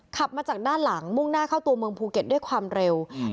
ขับมาจากด้านหลังมุ่งหน้าเข้าตัวเมืองภูเก็ตด้วยความเร็วอืม